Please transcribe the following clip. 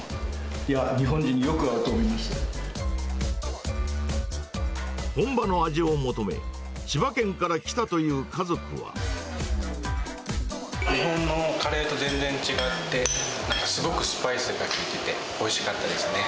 いや、日本人によく合うと思いま本場の味を求め、千葉県から日本のカレーと全然違って、すごくスパイスが効いてて、おいしかったですね。